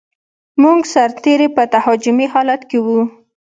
زموږ سرتېري په تهاجمي حالت کې و.